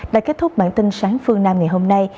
đã kết thúc bản tin sáng phương nam ngày hôm nay